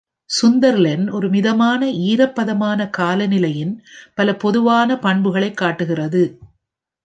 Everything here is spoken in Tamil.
சுந்தர்லேண்ட் ஒரு மிதமான ஈரப்பதமான காலநிலையின் பல பொதுவான பண்புகளைக் காட்டுகிறது.